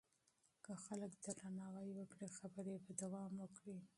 که خلک درناوی وکړي خبرې به دوام وکړي.